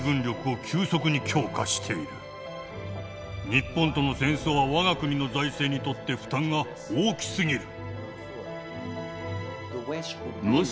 日本との戦争は我が国の財政にとって負担が大きすぎる。